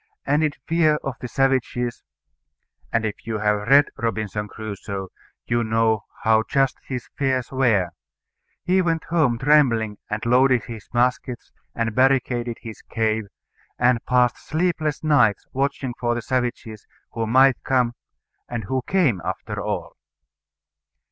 And in fear of the savages and if you have read Robinson Crusoe you know how just his fears were he went home trembling and loaded his muskets, and barricaded his cave, and passed sleepless nights watching for the savages who might come, and who came after all.